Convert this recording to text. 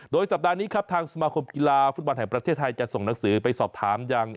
โดยสัปดาห์นี้ครับทางสมาคมกีฬาฟุตบอลแห่งประเทศไทยจะส่งหนังสือไปสอบถามยัง